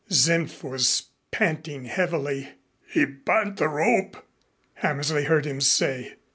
Senf was panting heavily. "He burnt the rope," Hammersley heard him say.